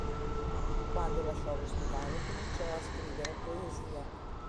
Quando lasciò l'ospedale, cominciò a scrivere poesie.